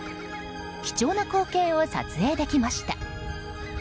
貴重な光景を撮影できました。